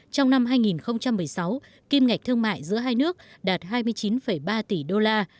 trong năm hai nghìn một mươi sáu kim ngạch thương mại giữa hai nước đạt hai mươi chín ba tỷ đô la